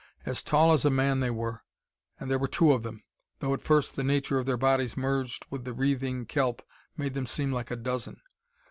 As tall as a man they were, and there were two of them, though at first the nature of their bodies merged with the wreathing kelp made them seem like a dozen.